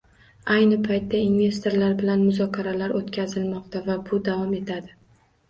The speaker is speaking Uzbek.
Ayni paytda investorlar bilan muzokaralar oʻtkazilmoqda va bu davom etadi.